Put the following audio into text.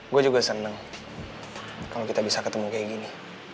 gue juga seneng kalau kita bisa ketemu kayak gini